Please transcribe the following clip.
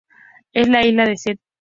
En la isla de St.